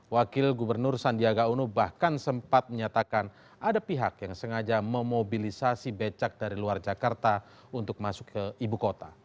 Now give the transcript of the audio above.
wakil gubernur sandiaga uno bahkan sempat menyatakan ada pihak yang sengaja memobilisasi becak dari luar jakarta untuk masuk ke ibu kota